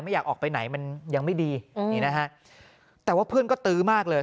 อยากออกไปไหนมันยังไม่ดีนี่นะฮะแต่ว่าเพื่อนก็ตื้อมากเลย